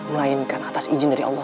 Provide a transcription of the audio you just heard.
melainkan atas izin dari allah